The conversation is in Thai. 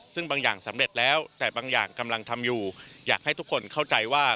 ซึ่งบางอย่างสำเร็จแล้วแต่บางอย่างกำลังทำอยู่อยากให้ทุกคนเข้าใจว่า